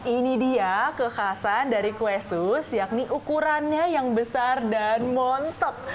ini dia kekhasan dari kue sus yakni ukurannya yang besar dan montep